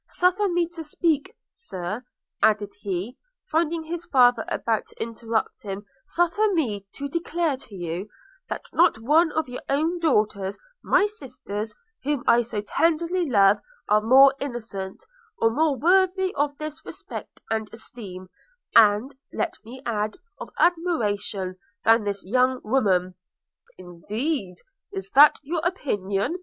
Suffer me to speak, Sir,' added he, finding his father about to interrupt him – 'suffer me to declare to you, that not one of your own daughters, my sisters, whom I so tenderly love, are more innocent, or more worthy of respect and esteem, and, let me add, of admiration, than this young woman.' 'Indeed! is that your opinion?